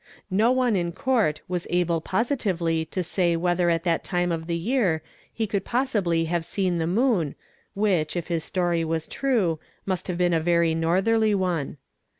No one in Court was able positively to say whether at that time of the year he could possibly have seen the moon which, if " story was true, must have been a very northerly one.